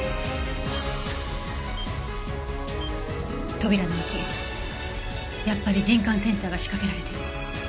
扉の脇やっぱり人感センサーが仕掛けられてる。